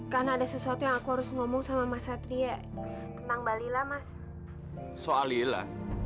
karena ada sesuatu yang aku harus ngomong sama mas satria tentang balila mas soal lila